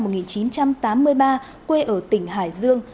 phạm văn hoán sinh năm một nghìn chín trăm tám mươi ba quê ở tỉnh hải dương